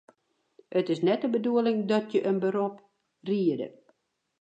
It is net de bedoeling dat je in berop riede.